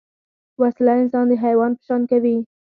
وسله انسان د حیوان په شان کوي